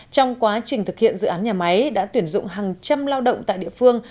trong quá trình thực hiện dự án nhà máy đã tuyển dụng hàng trăm lao động tại địa phương